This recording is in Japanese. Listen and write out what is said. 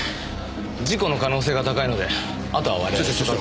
事故の可能性が高いのであとは我々所轄が。